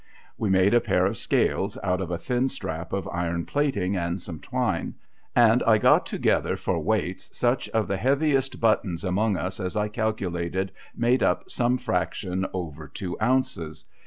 We made a pair of scales out of a thin strap of iron plating and some twine, and I got together for weights such of the heaviest buttons among us as I calculated made up some fraction over two ounces.